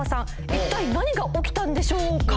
一体何が起きたんでしょうか？